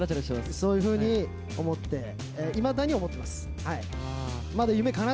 そういうふうに思って、いまだに思ってます。